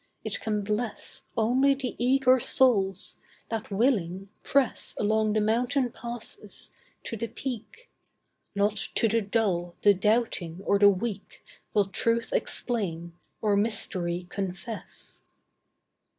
It can bless, Only the eager souls, that willing, press Along the mountain passes, to the peak. Not to the dull, the doubting, or the weak, Will Truth explain, or Mystery confess.